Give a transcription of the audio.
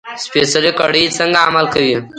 سپېڅلې کړۍ څنګه عمل کوي.